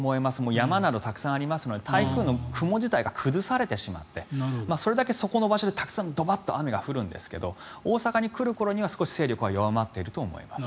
山など、たくさんありますので台風の雲自体が崩されてしまって、それだけそこの場所でたくさんドバッと雨が降るんですが大阪に来る頃には少し勢力は弱まっていると思います。